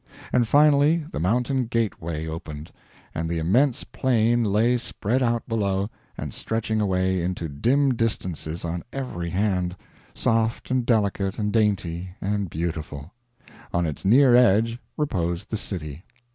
And finally the mountain gateway opened, and the immense plain lay spread out below and stretching away into dim distances on every hand, soft and delicate and dainty and beautiful. On its near edge reposed the city.